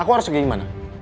aku harus pergi kemana